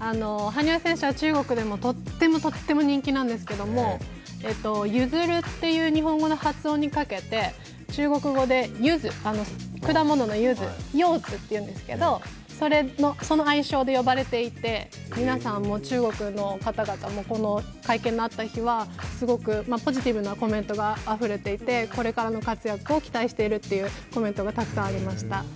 羽生選手は中国でも、とってもとっても人気なんですけれども、「ゆづる」という日本語の発音にかけて中国語で果物の柚子、ヨーズっていうんですけど、その愛称で呼ばれていてみなさん中国の方々も、この会見のあった日はすごく、ポジティブなコメントがあふれていて、これからの活躍を期待しているというコメントがたくさんありました。